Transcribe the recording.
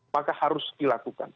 maka harus dilakukan